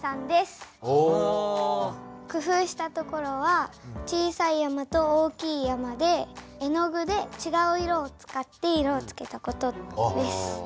工夫したところは小さい山と大きい山で絵の具でちがう色を使って色をつけた事です。